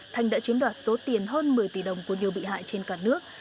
thanh đã chiếm đoạt số tiền hơn một mươi tỷ đồng của nhiều bị hại trên cả nước